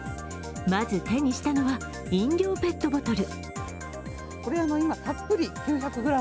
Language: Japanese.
まず、手にしたのは飲料ペットボトル。